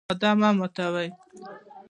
وعده مه ماتوئ